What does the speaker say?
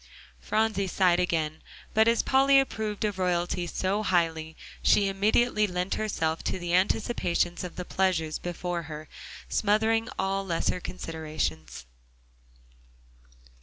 Phronsie sighed again. But as Polly approved of royalty so highly, she immediately lent herself to the anticipations of the pleasure before her, smothering all lesser considerations.